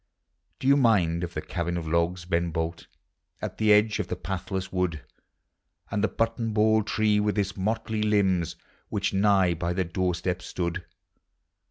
Do you mind of the cabin of logs, Ben Bolt, At the edge of the pathless wood, Aud the button ball tree with its motley limbs, Which nigh by the doorstep stood?